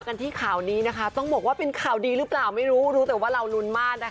กันที่ข่าวนี้นะคะต้องบอกว่าเป็นข่าวดีหรือเปล่าไม่รู้รู้แต่ว่าเรารุ้นมากนะคะ